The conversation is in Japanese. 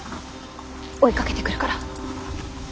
追いかけてくるから。